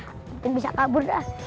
mungkin bisa kabur dah